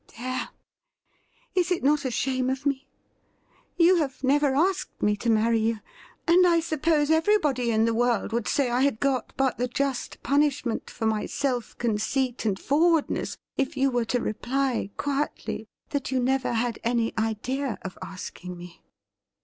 There ! is it not a shame of me ? You have never asked me to marry you, and I suppose everybody in the world would say I had got but the just punishment for my self conceit and forward ness if you were to reply quietly that you never had any idea of asking me.'